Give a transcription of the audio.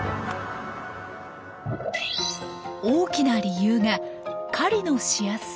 大きな理由が狩りのしやすさ。